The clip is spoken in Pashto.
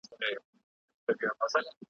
شپه به ځي بلال به واورو زه سهار په سترګو وینم ,